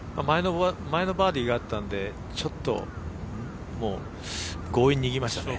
前のバーディーがあったんでちょっともう強引に行きましたね。